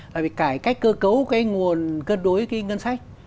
là phải cải cách cơ cấu cái nguồn cân đối cái ngân sách